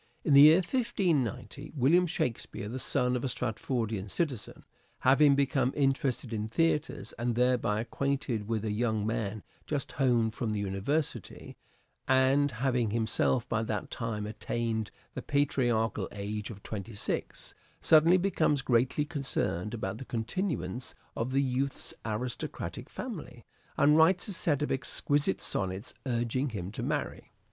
In the year 1590, William Shakspere, the son of a Stratford citizen, having become interested in theatres, and thereby acquainted with a young man just home from the university, and having himself by that time attained the patriarchal age of twenty six, suddenly becomes greatly concerned about the continuance of the youth's aristocratic family, and writes a set of exquisite sonnets urging him to marry.